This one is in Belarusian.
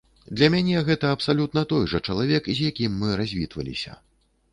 Для мяне гэта абсалютна той жа чалавек, з якім мы развітваліся.